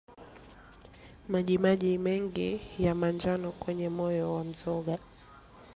Majimaji mengi ya manjano kwenye moyo wa mzoga